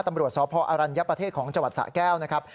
ตำรวจสพอรัญญประเทศของจังหวัดสะแก้วนะครับ